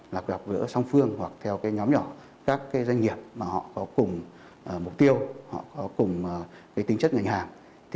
là gặp gỡ song phương hoặc theo nhóm nhỏ các doanh nghiệp mà họ có cùng mục tiêu họ có cùng tính chất ngành hàng